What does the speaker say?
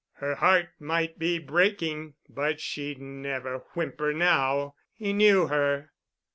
Her heart might be breaking but she'd never whimper now. He knew her.